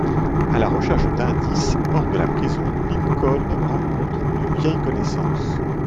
À la recherche d'indices hors de la prison, Lincoln rencontre une vieille connaissance.